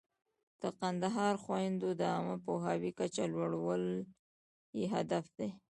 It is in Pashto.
د کندهاري خویندو د عامه پوهاوي کچه لوړول یې هدف دی.